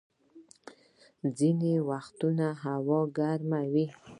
ځيني وخت هوا ګرمه وي.